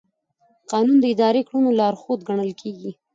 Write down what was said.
قانون د اداري کړنو لارښود ګڼل کېږي.